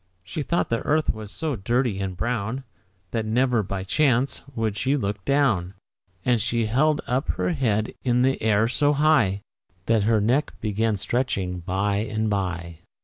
She thought the earth was so dirty and brown, That never, by chance, would she look down; And she held up her head in the air so high That her neck began stretching by and by.